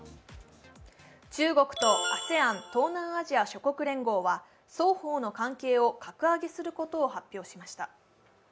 中国とＡＳＥＡＮ＝東南アジア諸国連合は双方の関係を格上げすることを発表しました。